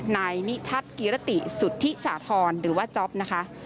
นายนิทัศน์กิรติสุธิสาธรณ์หรือว่าจ๊อปนะคะ